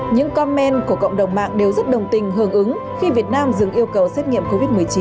những commen của cộng đồng mạng đều rất đồng tình hưởng ứng khi việt nam dừng yêu cầu xét nghiệm covid một mươi chín